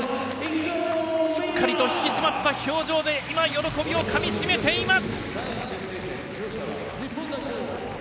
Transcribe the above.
しっかりと引き締まった表情で今、喜びをかみ締めています。